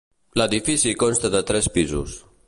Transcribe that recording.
L'edifici consta de tres pisos.